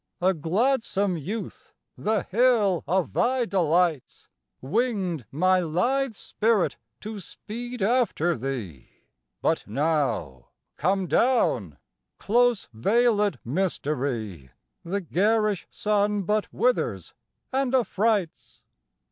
A gladsome youth, the hill of thy delights Winged my lithe spirit to speed after thee, But now, come down, close veilëd Mystery, The garish sun but withers and affrights.